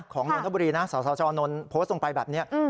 ของนทบุรีนะสาวชนโพสต์ลงไปแบบนี้